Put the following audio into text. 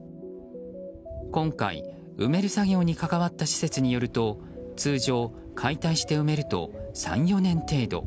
今回、埋める作業に関わった施設によると通常、解体して埋めると３４年程度。